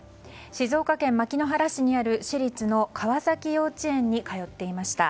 静岡県牧之原市にある私立の川崎幼稚園に通っていました。